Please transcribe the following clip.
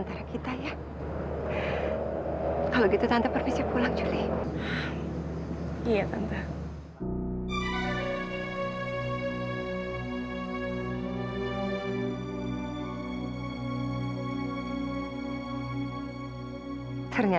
sampai jumpa di video selanjutnya